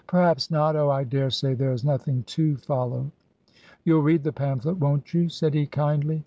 "Perhaps not. Oh! I daresay there is nothing to follow." " You'll read the pamphlet, won't you ?" said he, kindly.